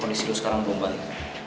kondisi lo sekarang belum baik